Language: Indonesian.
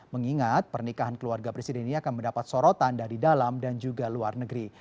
mengingat pernikahan keluarga presiden ini akan mendapat sorotan dari dalam dan juga luar negeri